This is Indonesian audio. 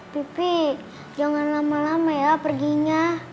pipi jangan lama lama ya perginya